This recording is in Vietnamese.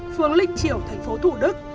phường linh triểu tp thủ đức